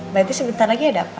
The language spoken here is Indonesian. berarti sebentar lagi ada apa